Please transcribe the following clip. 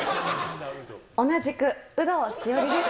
同じく有働栞里です。